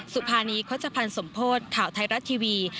สุภานีโฆษภัณฑ์สมโพธิ์ข่าวไทยรัฐทีวี